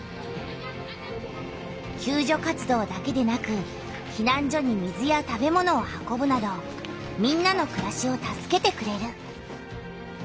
救助活動だけでなくひなん所に水や食べ物を運ぶなどみんなのくらしを助けてくれる。